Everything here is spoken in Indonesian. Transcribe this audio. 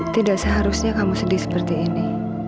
tidak seharusnya kamu sedih seperti ini